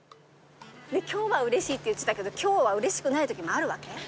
今日はうれしいって言ってたけど今日はうれしくないときもあるわけ？